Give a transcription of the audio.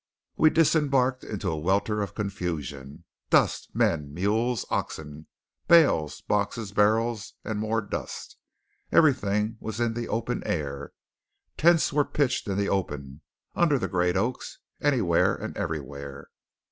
We disembarked into a welter of confusion. Dust, men, mules, oxen, bales, boxes, barrels, and more dust. Everything was in the open air. Tents were pitched in the open, under the great oaks, anywhere and everywhere.